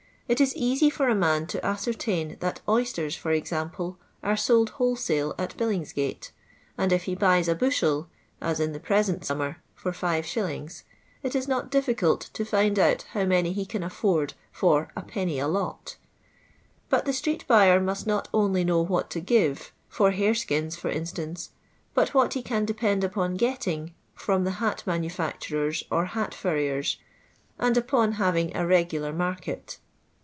It is easy for a man to ascer tain that oysters, for example, are sold wholesale at Billingsgnte, and if he buy a bushel (as in the present summer) fur 5«., it is not difficult to find out how many he can afford for ''a penny a lot," But the street buyer must not only know what to give, for hare skins for instance, but what he can depend upon getting from the hat manu facturers, or hat furriers, and upon having a regular market.